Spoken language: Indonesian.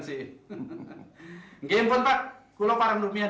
sekarang pak saya mau pergi ke rumah